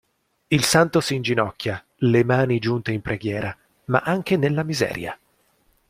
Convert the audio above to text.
Il santo si inginocchia, le mani giunte in preghiera, ma anche nella miseria.